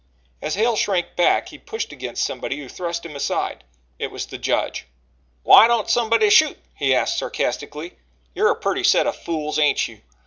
As Hale shrank back, he pushed against somebody who thrust him aside. It was the judge: "Why don't somebody shoot?" he asked sarcastically. "You're a purty set o' fools, ain't you?